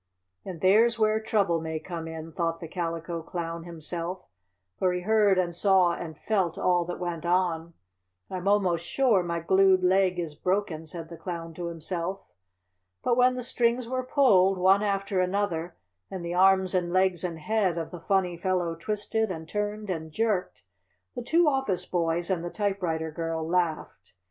"And there's where trouble may come in," thought the Calico Clown himself, for he heard and saw and felt all that went on. "I'm almost sure my glued leg is broken," said the Clown to himself. But when the strings were pulled, one after another, and the arms and legs and head of the funny fellow twisted and turned and jerked, the two office boys and the typewriter girl laughed.